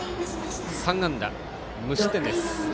３安打無失点です。